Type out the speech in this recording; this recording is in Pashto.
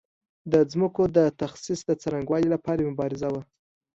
د ځمکو د تخصیص د څرنګوالي لپاره مبارزه وه.